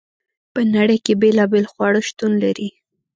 په نړۍ کې بیلابیل خواړه شتون لري.